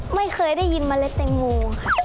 ไม่เคยได้ยินเมล็ดแตงโมค่ะ